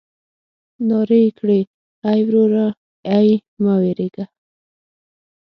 نارې يې کړې ای وروره ای مه وېرېږه.